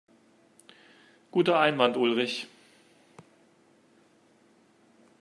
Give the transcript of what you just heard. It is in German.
Guter Einwand, Ulrich.